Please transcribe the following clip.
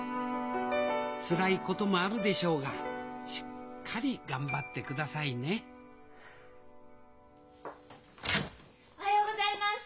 つらいこともあるでしょうがしっかり頑張ってくださいねおはようございます！